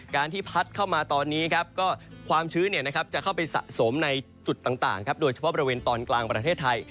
ที่พัดเข้ามาตอนนี้ครับก็ความชื้นจะเข้าไปสะสมในจุดต่างโดยเฉพาะบริเวณตอนกลางประเทศไทย